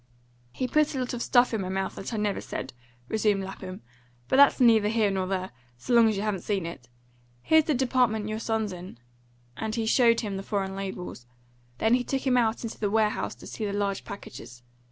"He put a lot of stuff in my mouth that I never said," resumed Lapham; "but that's neither here nor there, so long as you haven't seen it. Here's the department your son's in," and he showed him the foreign labels. Then he took him out into the warehouse to see the large packages.